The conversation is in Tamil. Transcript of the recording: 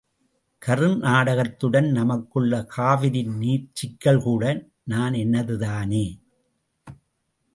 கர்நாடகத்துடன் நமக்குள்ள காவிரி நீர்ச் சிக்கல்கூட நான் எனது தானே!